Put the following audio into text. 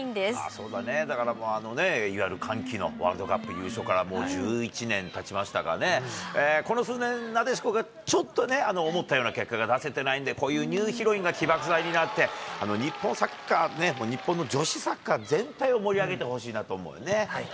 そうだね、だからもう、いわゆる歓喜のワールドカップ優勝からもう１１年たちましたからね、この数年、なでしこがちょっとね、思ったような結果が出せてないんで、こういうニューヒロインが起爆剤になって、日本サッカー、日本の女子サッカー全体を盛り上げてほしいなと思うよね。